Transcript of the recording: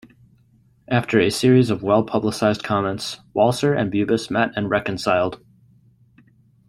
After a series of well-publicized comments, Walser and Bubis met and reconciled.